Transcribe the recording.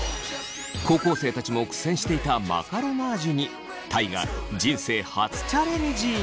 高校生たちも苦戦していたマカロナージュに大我人生初チャレンジ。